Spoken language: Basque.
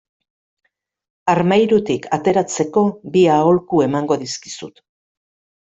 Armairutik ateratzeko bi aholku emango dizkizut.